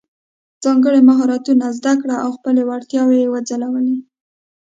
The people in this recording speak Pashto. ځانګړي مهارتونه زده او خپلې وړتیاوې یې وځلولې.